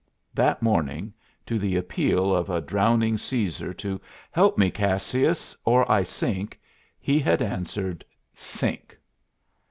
That morning, to the appeal of a drowning Cæsar to "Help me, Cassius, or I sink," he had answered, "Sink!"